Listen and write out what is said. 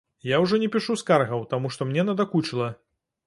Я ўжо не пішу скаргаў, таму што мне надакучыла.